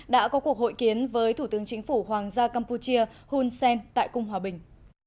đã có cuộc hội kiến với thủ tướng chính phủ hoàng gia campuchia hun sen tại cung hòa bình